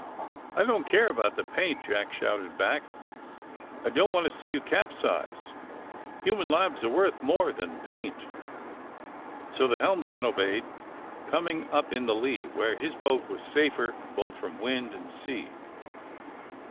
I don't care about the paint," Jack shouted back. "I don't want to see you capsize. Hu man lives are worth more than paint." So the helmsman obeyed, coming up in the lee, where his boat was safer both from wind and sea.